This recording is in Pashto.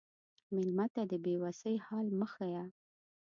مېلمه ته د بې وسی حال مه ښیه.